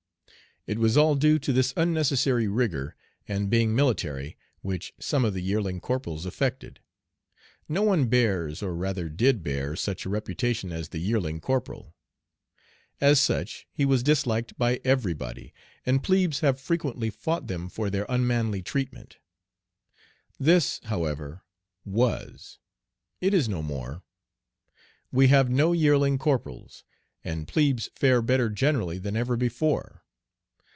It was all due to this unnecessary rigor, and "being military," which some of the yearling corporals affected. No one bears, or rather did bear, such a reputation as the yearling corporal. As such he was disliked by everybody, and plebes have frequently fought them for their unmanly treatment. This, however, was. It is no more. We have no yearling corporals, and plebes fare better generally than ever before.